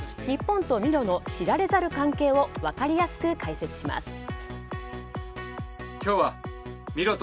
日本とミロの知られざる関係を分かりやすく解説します。